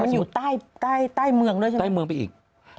มันอยู่ใต้เมืองด้วยใช่ไหมใต้เมืองไปอีก